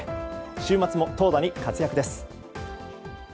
週末も投打に活躍です。